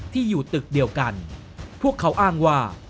ที่อยู่ตึกเดียวกันพวกเขาอ้างว่า